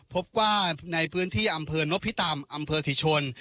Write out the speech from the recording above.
พบว่าในพื้นที่อำเภอนพิตำอำเภอศรีชน